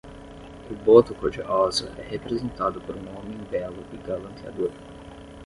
O boto-cor-de-rosa é representado por um homem belo e galanteador